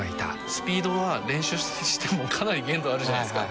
スピードは練習してもかなり限度あるじゃないですか